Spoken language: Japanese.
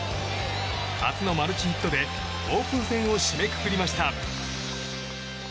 初のマルチヒットでオープン戦を締めくくりました。